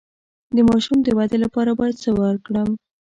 د ماشوم د ودې لپاره باید څه ورکړم؟